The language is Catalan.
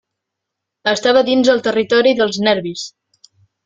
Estava dins el territori dels Nervis.